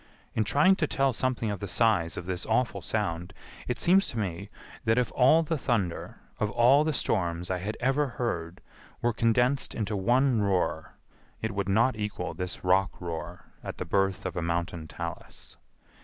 In trying to tell something of the size of this awful sound it seems to me that if all the thunder of all the storms I had ever heard were condensed into one roar it would not equal this rock roar at the birth of a mountain talus.